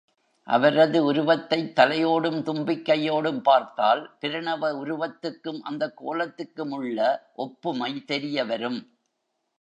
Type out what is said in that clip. அவரது உருவத்தைத் தலையோடும், தும்பிக்கையோடும் பார்த்தால் பிரணவ உருவத்துக்கும், அந்தக் கோலத்துக்கும் உள்ள ஒப்புமை தெரியவரும்.